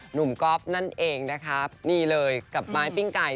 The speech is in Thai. ก๊อฟนั่นเองนะคะนี่เลยกับไม้ปิ้งไก่